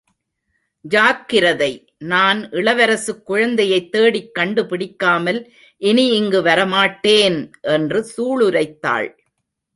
ஜாக்கிரதை!.... நான் இளவரசுக் குழந்தையைத் தேடிக் கண்டுபிடிக்காமல் இனி இங்கு வர மாட்டேன்! என்று சூளுரைத்தாள்.